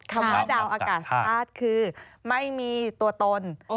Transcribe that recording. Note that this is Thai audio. คำว่าดาวอากาศธาตุคือไม่มีตัวตน